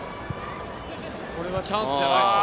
これはチャンスじゃないですか？